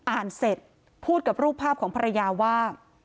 อ่านเสร็จพูดกับรูปภาพของภรรยาว่า